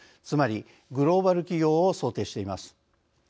つまり、グローバル企業を想定しています。